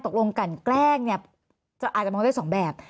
ตกลงกันแกล้งเนี่ยอาจจะมองได้๒แบบ